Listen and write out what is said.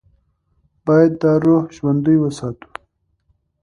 باید دا روح ژوندۍ وساتو.